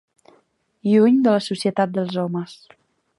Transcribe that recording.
Lluny de la societat dels homes.